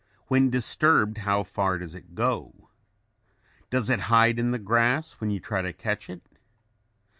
When disturbed, how far does it go? Does it hide in the grass when you try to catch it?